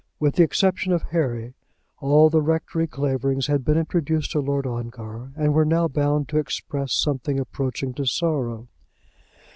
With the exception of Harry, all the rectory Claverings had been introduced to Lord Ongar, and were now bound to express something approaching to sorrow.